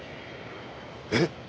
えっ？